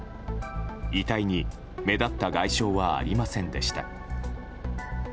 遺体に目立った外傷はありませんでした。